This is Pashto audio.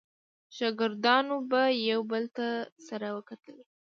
شاګردانو به یو بل ته سره وکتل.